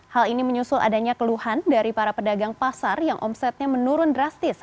hal ini menyusul adanya keluhan dari para pedagang pasar yang omsetnya menurun drastis